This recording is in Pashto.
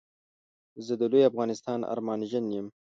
زه د لوي افغانستان ارمانژن يم